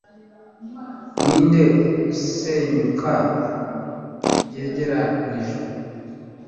Ninde usenyuka byegeranijwe